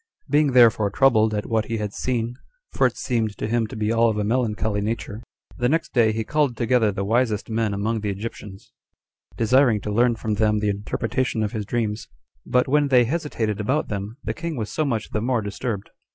Being therefore troubled at what he had seen, for it seemed to him to be all of a melancholy nature, the next day he called together the wisest men among the Egyptians, desiring to learn from them the interpretation of his dreams. But when they hesitated about them, the king was so much the more disturbed.